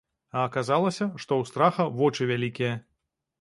А аказалася, што ў страха вочы вялікія!